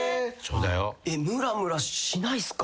ムラムラしないっすか？